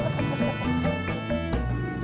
terima kasih pur